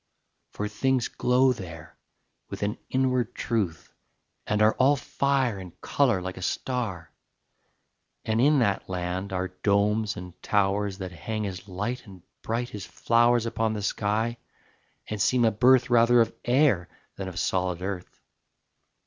For things glow There with an inward truth and are All fire and colour like a star. And in that land are domes and towers That hang as light and bright as flowers Upon the sky, and seem a birth Rather of air than solid earth.